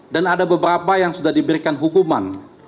dan ada beberapa yang sudah diberikan hukuman